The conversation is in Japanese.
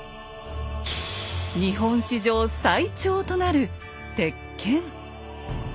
日本史上最長となる鉄剣。